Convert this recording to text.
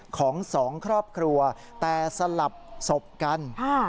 ของสองครอบครัวแต่สลับศพกัน